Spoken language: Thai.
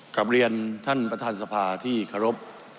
กลับเรียนท่านประธานสภาที่เคารพ